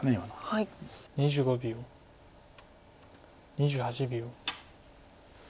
２８秒。